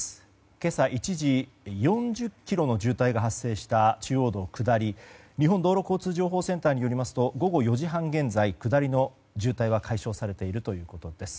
今朝１時４０ｋｍの渋滞が発生した中央道下りですが日本道路交通情報センターによりますと午後４時半現在、下りの渋滞は解消されているということです。